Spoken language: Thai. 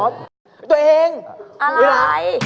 อ๋อเดี๋ยวตัวเองอะไรไอ้